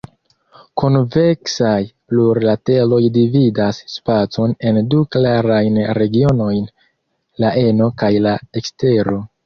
Konveksaj plurlateroj dividas spacon en du klarajn regionojn, la eno kaj la ekstero.